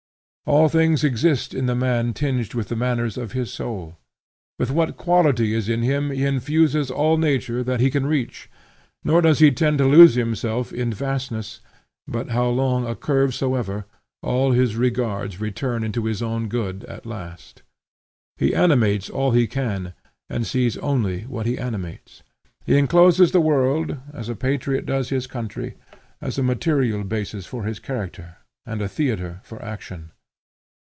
All things exist in the man tinged with the manners of his soul. With what quality is in him he infuses all nature that he can reach; nor does he tend to lose himself in vastness, but, at how long a curve soever, all his regards return into his own good at last. He animates all he can, and he sees only what he animates. He encloses the world, as the patriot does his country, as a material basis for his character, and a theatre for action.